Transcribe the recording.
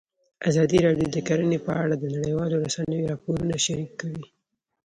ازادي راډیو د کرهنه په اړه د نړیوالو رسنیو راپورونه شریک کړي.